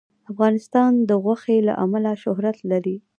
افغانستان د غوښې له امله شهرت لري.